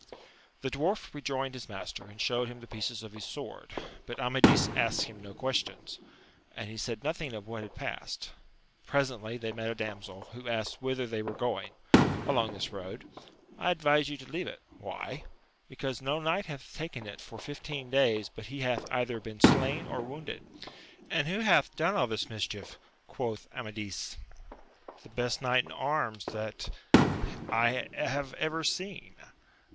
The dwarf rejoined his master, and showed him the pieces of his sword, but Amadis asked him no questions, and he said nothing of what had passed. Presently they met a damsel, who asked whither they were going. — ^Along this road. — I advise you to leave it. — ^Why 1 — Because no knight hath taken it for fif teen days but he hath either been slain ^or wounded. And who hath done all this mischief? quoth Amadis. The best knight in arms that I have ever seen.